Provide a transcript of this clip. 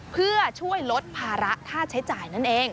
เพื่อช่วยลดภาระค่าใช้จ่ายนั่นเอง